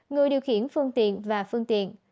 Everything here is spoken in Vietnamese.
người điều khiển phương tiện và phương tiện